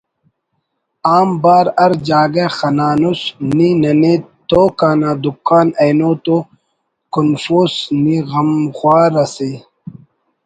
آنبار ہر جاگہ خنانس نی ننے توک اَنا دکان اینو تو کنفوس نی غمخوار اَسے